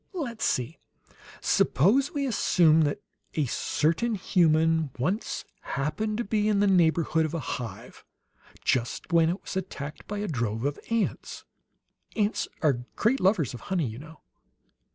"Let's see. Suppose we assume that a certain human once happened to be in the neighborhood of a hive, just when it was attacked by a drove of ants. Ants are great lovers of honey, you know.